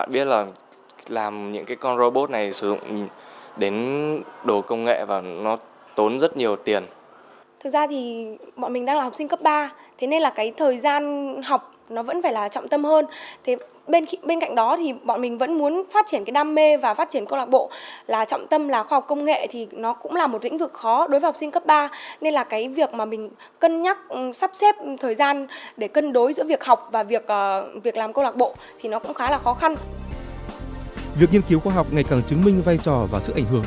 việc nghiên cứu khoa học ngày càng chứng minh vai trò và sức ảnh hưởng